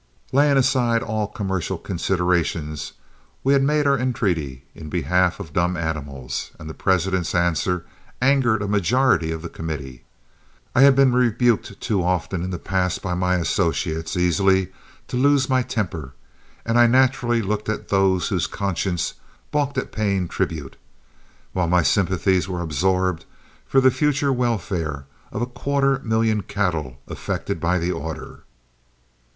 Laying aside all commercial considerations, we had made our entreaty in behalf of dumb animals, and the President's answer angered a majority of the committee. I had been rebuked too often in the past by my associates easily to lose my temper, and I naturally looked at those whose conscience balked at paying tribute, while my sympathies were absorbed for the future welfare of a quarter million cattle affected by the order.